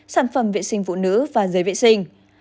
sản phẩm vệ sinh phụ nữ và giới vệ sinh